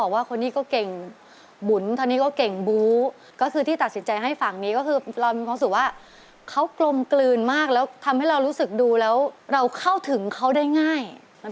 ความสื่อว่าเขากลมกลืนมากแล้วทำให้เรารู้สึกดูแล้วเราเข้าถึงเขาได้ง่าย